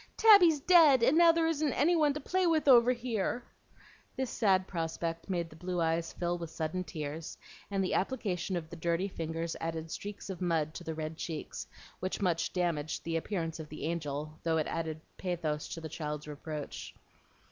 Tabby's dead, and now there isn't any one to play with over here." This sad prospect made the blue eyes fill with sudden tears; and the application of the dirty fingers added streaks of mud to the red cheeks, which much damaged the appearance of the angel, thought it added pathos to the child's reproach.